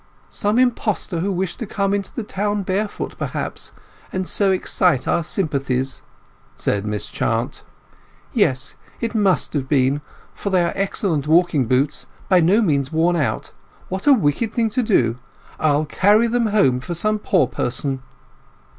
"Some imposter who wished to come into the town barefoot, perhaps, and so excite our sympathies," said Miss Chant. "Yes, it must have been, for they are excellent walking boots—by no means worn out. What a wicked thing to do! I'll carry them home for some poor person."